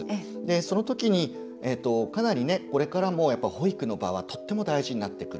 その時に、かなりこれからも保育の場はとっても大事になってくる。